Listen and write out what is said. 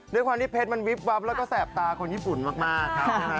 ด้วยความที่เพชรมันวิบวับแล้วก็แสบตาคนญี่ปุ่นมากครับ